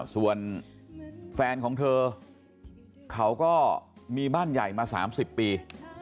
ส่วนแฟนของเธอเขาก็มีบ้านใหญ่มา๓๐ปี